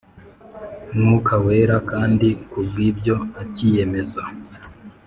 Mwuka Wera kandi kubw ibyo akiyemeza